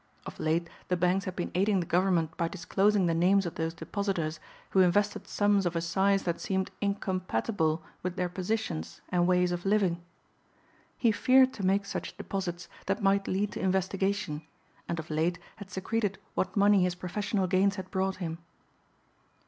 Of late the banks had been aiding the government by disclosing the names of those depositors who invested sums of a size that seemed incompatible with their positions and ways of living. He feared to make such deposits that might lead to investigation and of late had secreted what money his professional gains had brought him.